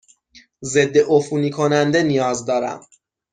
ضدعفونی کننده نیاز دارم.